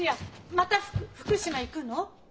また福島行くの？